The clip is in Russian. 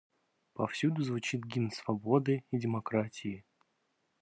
Повсюду звучит гимн свободы и демократии.